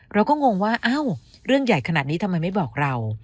งงว่าอ้าวเรื่องใหญ่ขนาดนี้ทำไมไม่บอกเรา